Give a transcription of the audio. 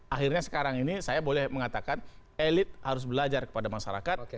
akhirnya sekarang ini saya boleh mengatakan elit harus belajar kepada masyarakat